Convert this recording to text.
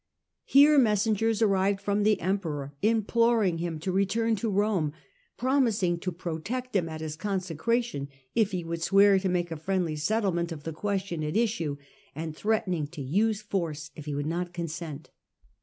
Here mes sengers arrived from the emperor, imploring him to return to Rome, promising to protect him at his conse cration if he would swear to make a friendly settlement of the questions at issue, and threatening to use force if he would not consent.